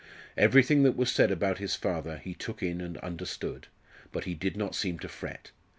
Everything that was said about his father he took in and understood, but he did not seem to fret.